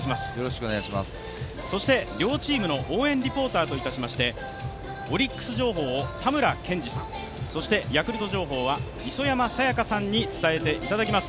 そして両チームの応援リポーターといたしまして、オリックス情報をたむらけんじさん、ヤクルト情報は磯山さやかさんに伝えていただきます。